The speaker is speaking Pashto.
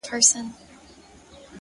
• که هر څومره له انسانه سره لوی سي ,